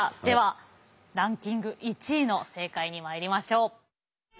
ではランキング１位の正解にまいりましょう。